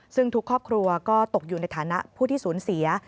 ซึ่งทุกครอบครัวก็ตกอยู่ในฐานะผู้ที่สูญเสีย